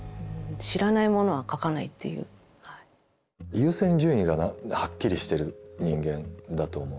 優先順位がはっきりしてる人間だと思う。